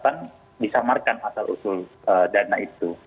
kan disamarkan asal usul dana itu